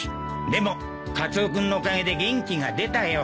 でもカツオ君のおかげで元気が出たよ。